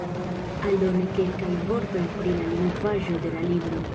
Aldone kelkaj vortoj pri la lingvaĵo de la libro.